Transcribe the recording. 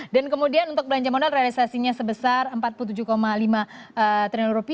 dan kemudian untuk belanja modal realisasinya sebesar rp empat puluh tujuh lima triliun